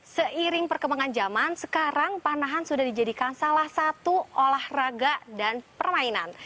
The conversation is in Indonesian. seiring perkembangan zaman sekarang panahan sudah dijadikan salah satu olahraga dan permainan